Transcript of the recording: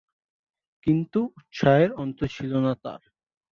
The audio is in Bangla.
কিন্তু উৎসাহের অন্ত ছিল না তার।